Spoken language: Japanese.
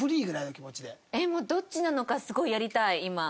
もうどっちなのかすごいやりたい今。